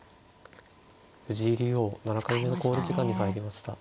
藤井竜王７回目の考慮時間に入りました。